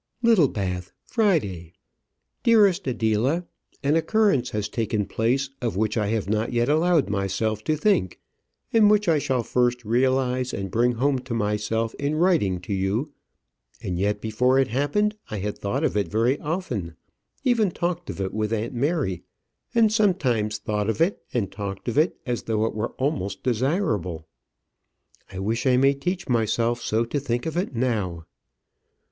Littlebath, Friday. Dearest Adela, An occurrence has taken place of which I have not yet allowed myself to think, and which I shall first realize and bring home to myself in writing to you; and yet before it happened I had thought of it very often even talked of it with aunt Mary; and sometimes thought of it and talked of it as though it were almost desirable. I wish I may teach myself so to think of it now.